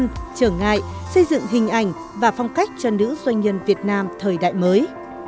trở ngại xây dựng hình ảnh và phong cách cho nữ doanh nhân việt nam thời đại mới